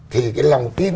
thì cái lòng tin